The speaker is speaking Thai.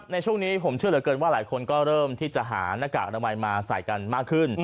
ในช่วงนี้ผมเชื่อเหลือเกินว่าหลายคนก็เริ่มที่จะหาหน้ากากอนามัยมาใส่กันมากขึ้น